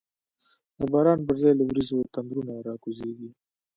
د باران پر ځای له وریځو، تندرونه راکوزیږی